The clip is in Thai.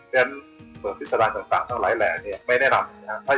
เพราะฉะนั้นปริศนาส่างทั้งหลายแหล่ไม่แนะนำ